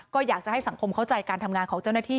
ก็อยากจะให้สังคมเข้าใจการทำงานของเจ้าหน้าที่